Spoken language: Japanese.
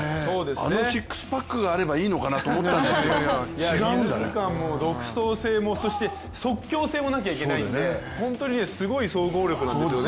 あのシックスパックがあればいいのかなと思うんですけど独創性も即興性もなきゃいけないのですごい総合力なんですよね。